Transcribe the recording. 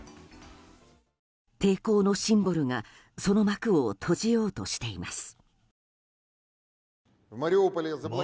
抵抗のシンボルがその幕を閉じようとしています。